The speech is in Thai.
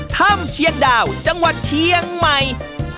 ถ้ำเชียงดาวจังหวัดเชียงใหม่